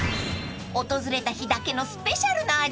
［訪れた日だけのスペシャルな味